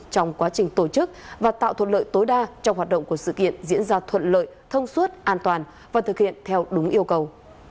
trong quá trình tổ chức và tạo thuận lợi tối đa trong hoạt động của sự kiện diễn ra thuận lợi thông suốt an toàn và thực hiện theo đúng yêu cầu